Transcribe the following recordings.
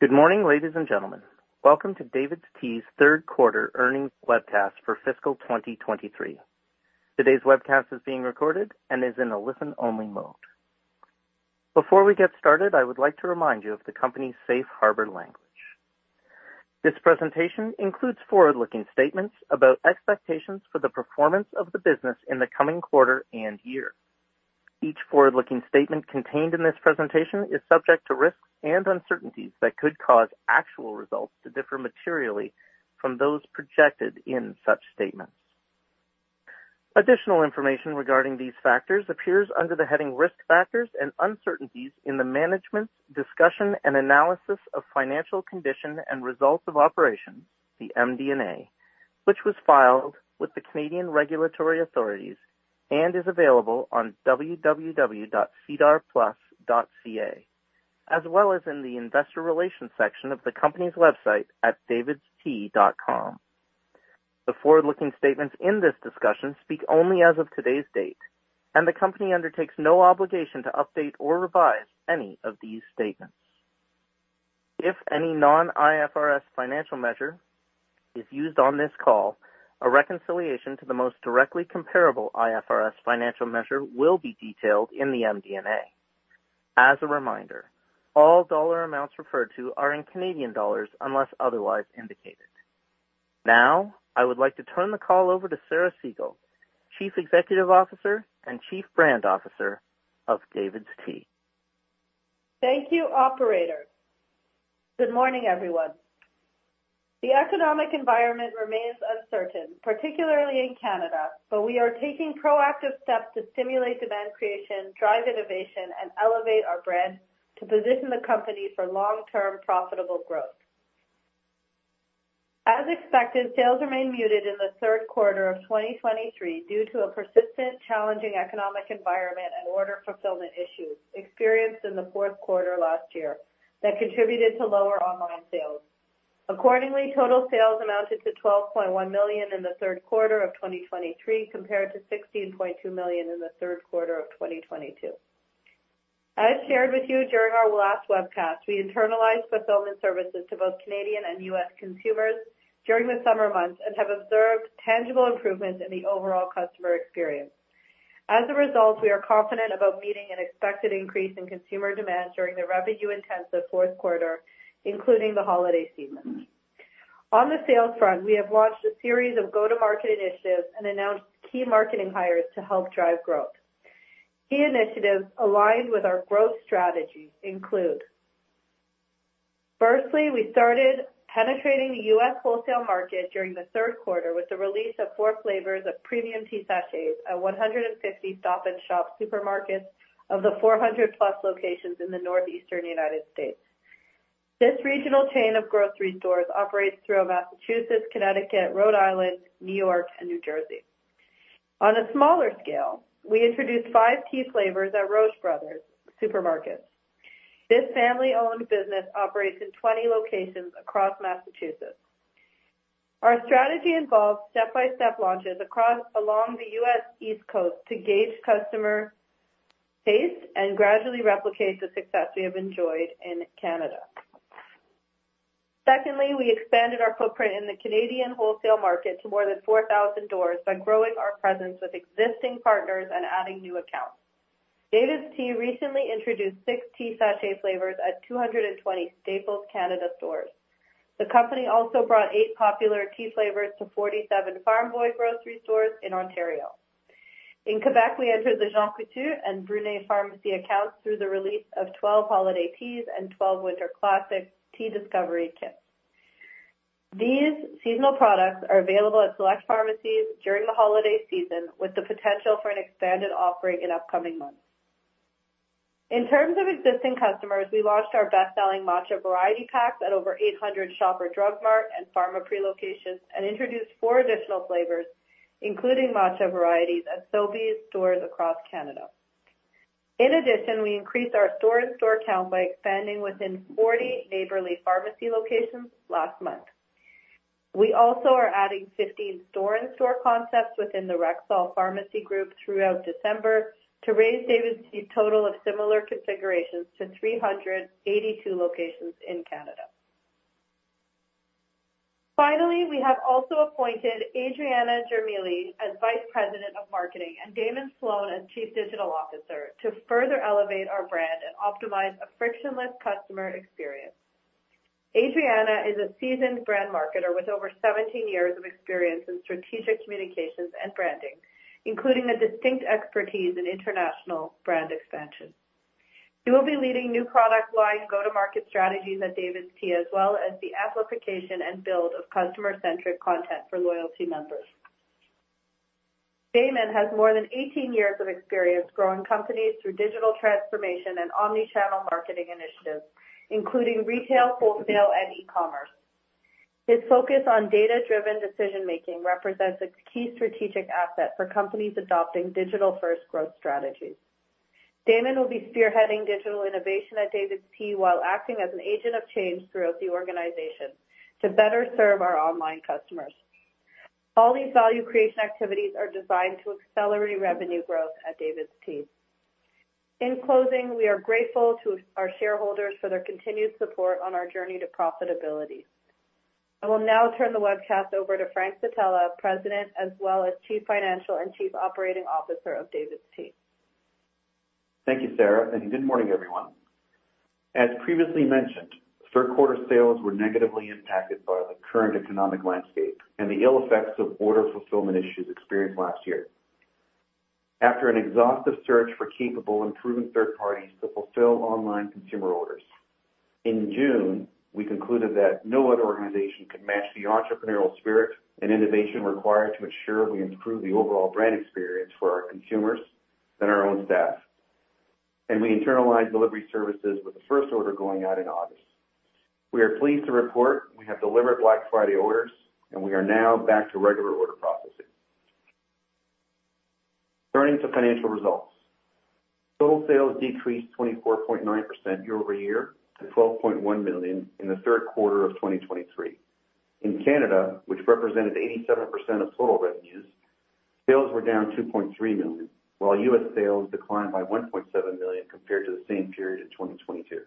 Good morning, ladies and gentlemen. Welcome to DAVIDsTEA's third quarter earnings webcast for fiscal 2023. Today's webcast is being recorded and is in a listen-only mode. Before we get started, I would like to remind you of the company's safe harbor language. This presentation includes forward-looking statements about expectations for the performance of the business in the coming quarter and year. Each forward-looking statement contained in this presentation is subject to risks and uncertainties that could cause actual results to differ materially from those projected in such statements. Additional information regarding these factors appears under the heading Risk Factors and Uncertainties in the Management Discussion and Analysis of Financial Condition and Results of Operation, the MD&A, which was filed with the Canadian regulatory authorities and is available on www.sedarplus.ca, as well as in the investor relations section of the company's website at davidstea.com. The forward-looking statements in this discussion speak only as of today's date, and the company undertakes no obligation to update or revise any of these statements. If any non-IFRS financial measure is used on this call, a reconciliation to the most directly comparable IFRS financial measure will be detailed in the MD&A. As a reminder, all dollar amounts referred to are in Canadian dollars, unless otherwise indicated. Now, I would like to turn the call over to Sarah Segal, Chief Executive Officer and Chief Brand Officer of DAVIDsTEA. Thank you, operator. Good morning, everyone. The economic environment remains uncertain, particularly in Canada, but we are taking proactive steps to stimulate demand creation, drive innovation, and elevate our brand to position the company for long-term profitable growth. As expected, sales remained muted in the third quarter of 2023 due to a persistent challenging economic environment and order fulfillment issues experienced in the fourth quarter last year that contributed to lower online sales. Accordingly, total sales amounted to 12.1 million in the third quarter of 2023, compared to 16.2 million in the third quarter of 2022. As shared with you during our last webcast, we internalized fulfillment services to both Canadian and U.S. consumers during the summer months and have observed tangible improvements in the overall customer experience. As a result, we are confident about meeting an expected increase in consumer demand during the revenue-intensive fourth quarter, including the holiday season. On the sales front, we have launched a series of go-to-market initiatives and announced key marketing hires to help drive growth. Key initiatives aligned with our growth strategy include: firstly, we started penetrating the U.S. wholesale market during the third quarter with the release of four flavors of premium tea sachets at 150 Stop & Shop supermarkets of the 400+ locations in the northeastern United States. This regional chain of grocery stores operates throughout Massachusetts, Connecticut, Rhode Island, New York, and New Jersey. On a smaller scale, we introduced five tea flavors at Roche Bros. supermarkets. This family-owned business operates in 20 locations across Massachusetts. Our strategy involves step-by-step launches along the U.S. East Coast to gauge customer taste and gradually replicate the success we have enjoyed in Canada. Secondly, we expanded our footprint in the Canadian wholesale market to more than 4,000 doors by growing our presence with existing partners and adding new accounts. DAVIDsTEA recently introduced six tea sachet flavors at 220 Staples Canada stores. The company also brought eight popular tea flavors to 47 Farm Boy grocery stores in Ontario. In Quebec, we entered the Jean Coutu and Brunet pharmacy accounts through the release of 12 holiday teas and 12 Winter Classic Tea Discovery Kits. These seasonal products are available at select pharmacies during the holiday season, with the potential for an expanded offering in upcoming months. In terms of existing customers, we launched our best-selling Matcha Variety Packs at over 800 Shoppers Drug Mart and Pharmaprix locations and introduced four additional flavors, including matcha varieties, at Sobeys stores across Canada. In addition, we increased our store-in-store count by expanding within 40 Neighbourly Pharmacy locations last month. We also are adding 15 store-in-store concepts within the Rexall Pharmacy Group throughout December to raise DAVIDsTEA total of similar configurations to 382 locations in Canada. Finally, we have also appointed Adriana Germilli as Vice President of Marketing and Damon Sloane as Chief Digital Officer to further elevate our brand and optimize a frictionless customer experience. Adriana is a seasoned brand marketer with over 17 years of experience in strategic communications and branding, including a distinct expertise in international brand expansion. She will be leading new product-wide go-to-market strategies at DAVIDsTEA, as well as the application and build of customer-centric content for loyalty members. Damon has more than 18 years of experience growing companies through digital transformation and omni-channel marketing initiatives, including retail, wholesale, and e-commerce. His focus on data-driven decision making represents a key strategic asset for companies adopting digital-first growth strategies. Damon will be spearheading digital innovation at DAVIDsTEA while acting as an agent of change throughout the organization to better serve our online customers. All these value creation activities are designed to accelerate revenue growth at DAVIDsTEA. In closing, we are grateful to our shareholders for their continued support on our journey to profitability. I will now turn the webcast over to Frank Zitella, President, as well as Chief Financial Officer and Chief Operating Officer of DAVIDsTEA. Thank you, Sarah, and good morning, everyone. As previously mentioned, third quarter sales were negatively impacted by the current economic landscape and the ill effects of order fulfillment issues experienced last year. After an exhaustive search for capable and proven third parties to fulfill online consumer orders, in June, we concluded that no other organization could match the entrepreneurial spirit and innovation required to ensure we improve the overall brand experience for our consumers than our own staff, and we internalized delivery services with the first order going out in August. We are pleased to report we have delivered Black Friday orders, and we are now back to regular order processing. Turning to financial results. Total sales decreased 24.9% year-over-year to 12.1 million in the third quarter of 2023. In Canada, which represented 87% of total revenues, sales were down 2.3 million, while U.S. sales declined by 1.7 million compared to the same period in 2022.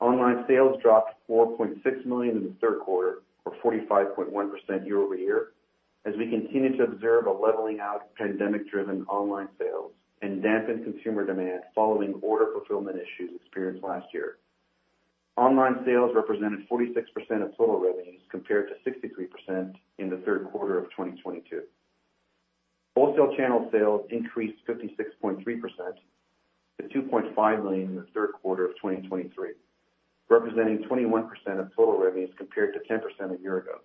Online sales dropped 4.6 million in the third quarter, or 45.1% year-over-year, as we continue to observe a leveling out of pandemic-driven online sales and dampened consumer demand following order fulfillment issues experienced last year. Online sales represented 46% of total revenues, compared to 63% in the third quarter of 2022. Wholesale channel sales increased 56.3% to 2.5 million in the third quarter of 2023, representing 21% of total revenues, compared to 10% a year ago.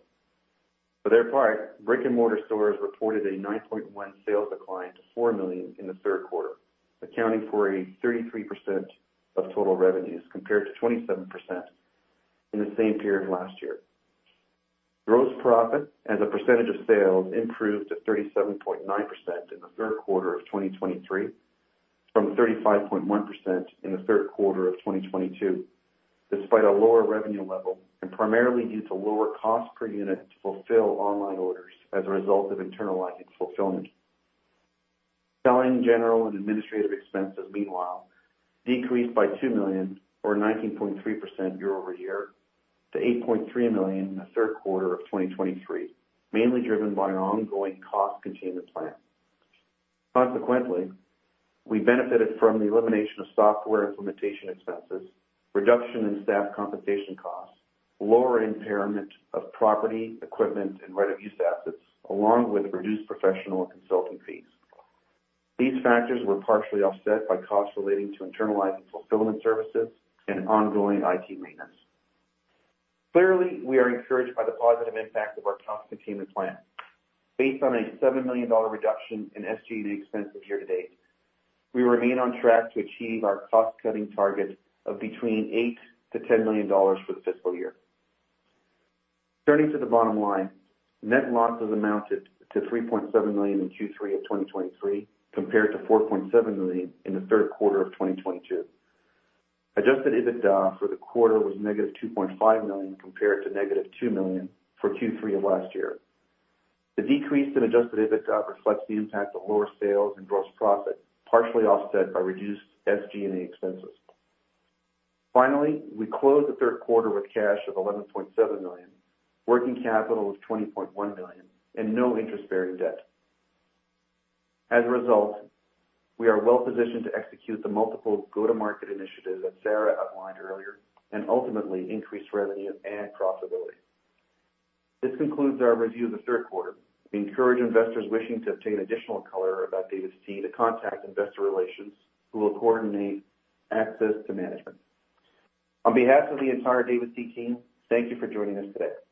For their part, brick-and-mortar stores reported a 9.1% sales decline to 4 million in the third quarter, accounting for 33% of total revenues, compared to 27% in the same period last year. Gross Profit as a percentage of sales improved to 37.9% in the third quarter of 2023, from 35.1% in the third quarter of 2022, despite a lower revenue level and primarily due to lower cost per unit to fulfill online orders as a result of internalizing fulfillment. Selling, General, and Administrative Expenses, meanwhile, decreased by 2 million, or 19.3% year-over-year, to 8.3 million in the third quarter of 2023, mainly driven by an ongoing cost containment plan. Consequently, we benefited from the elimination of software implementation expenses, reduction in staff compensation costs, lower impairment of property, equipment, and right-of-use assets, along with reduced professional and consulting fees. These factors were partially offset by costs relating to internalizing fulfillment services and ongoing IT maintenance. Clearly, we are encouraged by the positive impact of our cost containment plan. Based on a 7 million dollar reduction in SG&A expenses year to date, we remain on track to achieve our cost-cutting target of between 8 million-10 million dollars for the fiscal year. Turning to the bottom line, net losses amounted to 3.7 million in Q3 of 2023, compared to 4.7 million in the third quarter of 2022. Adjusted EBITDA for the quarter was -2.5 million, compared to -2 million for Q3 of last year. The decrease in Adjusted EBITDA reflects the impact of lower sales and gross profit, partially offset by reduced SG&A expenses. Finally, we closed the third quarter with cash of 11.7 million, working capital of 20.1 million, and no interest-bearing debt. As a result, we are well positioned to execute the multiple go-to-market initiatives that Sarah outlined earlier and ultimately increase revenue and profitability. This concludes our review of the third quarter. We encourage investors wishing to obtain additional color about DAVIDsTEA to contact investor relations, who will coordinate access to management. On behalf of the entire DAVIDsTEA team, thank you for joining us today.